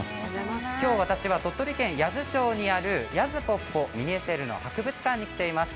きょう私は鳥取県八頭町にありますやずぽっぽミニＳＬの博物館に来ています。